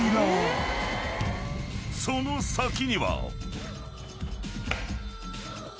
［その先には］